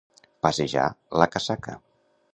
Passejar la casaca.